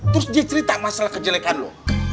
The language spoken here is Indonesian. terus dia cerita masalah kejelekan lo